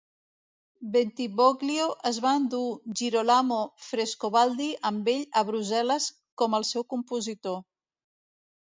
Bentivoglio es va endur Girolamo Frescobaldi amb ell a Brussel·les com el seu compositor.